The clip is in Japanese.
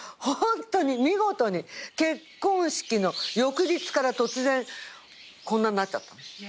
ホントに見事に結婚式の翌日から突然こんなんなっちゃった。